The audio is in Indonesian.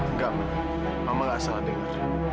enggak mama mama nggak salah dengar